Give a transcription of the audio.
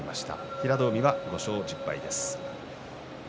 平戸海は５勝１０敗です。